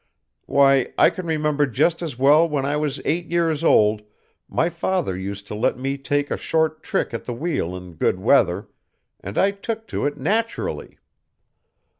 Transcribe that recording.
Why, I can remember just as well when I was eight years old my father used to let me take a short trick at the wheel in good weather, and I took to it naturally.